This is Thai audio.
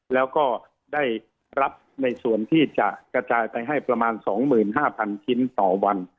แล้วก็ได้รับในส่วนที่จะกระจายไปให้ประมาณ๒๕๐๐๐ชิ้นต่อวัน